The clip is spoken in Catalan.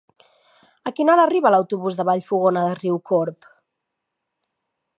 A quina hora arriba l'autobús de Vallfogona de Riucorb?